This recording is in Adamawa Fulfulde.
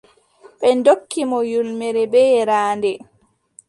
Ɓe ndokki mo ƴulmere bee yeeraande.